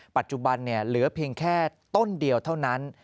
ปัจจุบันเหลือเพียงแค่ต้นเดียวเท่านั้น